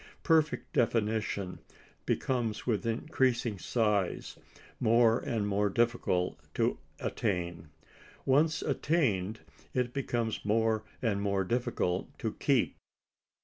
Perfect definition becomes with increasing size, more and more difficult to attain; once attained, it becomes more and more difficult to keep.